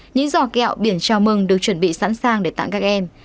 những giò kẹo biển chào mừng được chuẩn bị sẵn sàng để tặng các em